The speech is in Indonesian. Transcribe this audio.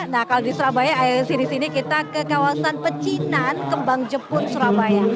nah kalau di surabaya ayo sini sini kita ke kawasan pecinan kembang jepun surabaya